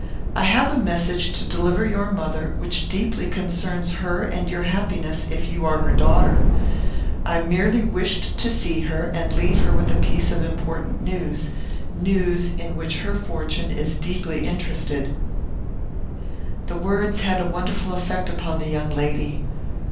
I have a message to deliver your mother which deeply concerns her and your happiness, if you are her daughter. I merely wished to see her, and leave with her a piece of important news; news in which her fortune is deeply interested." These words had a wonderful effect upon the young lady.